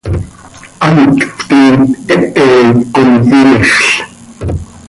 Hant cötiin, hehe com imexl.